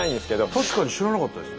確かに知らなかったです。